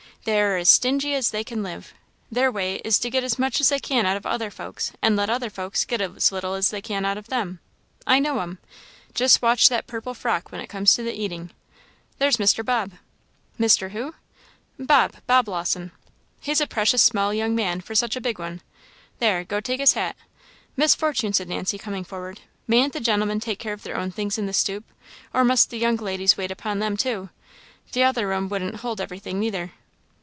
They are as stingy as they can live. Their way is to get as much as they can out of other folks, and let other folks get as little as they can out of them. I know 'em. Just watch that purple frock when it comes to the eating. There's Mr. Bob." "Mr. who?" "Bob Bob Lawson. He's a precious small young man, for such a big one. There go take his hat. Miss Fortune," said Nancy, coming forward, "mayn't the gentlemen take care of their own things in the stoop, or must the young ladies wait upon them, too? t'other room won't hold everything neither."